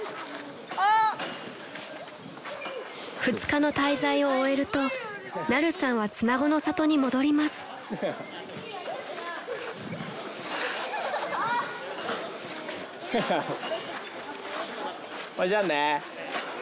［２日の滞在を終えるとナルさんは綱子の里に戻ります］ハハハ。